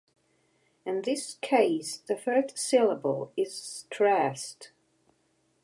In this case, the first syllable is stressed.